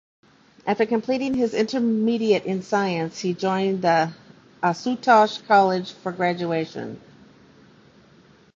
After completing his intermediate in science, he joined the Asutosh College for graduation.